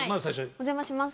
お邪魔します。